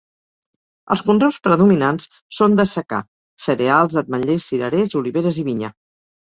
Els conreus predominants són de secà: cereals, ametllers, cirerers, oliveres i vinya.